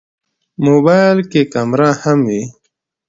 موبایل کې کیمره هم وي.